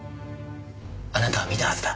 あなたは見たはずだ。